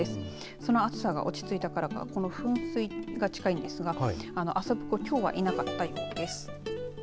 その暑さが落ち着いたからかこの噴水が近いんですが遊ぶ子、きょうはいなかったようです。